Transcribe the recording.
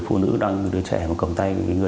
phụ nữ đăng đứa trẻ cầm tay vào bàn tay của thao